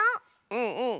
うんうん！